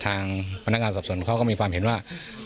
ว่าเป็นดำหน้าของตำรวจเราไม่ใช่จับพนักงานนะครับ